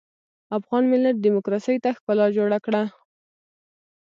افغان ملت ډيموکراسۍ ته ښکلا جوړه کړه.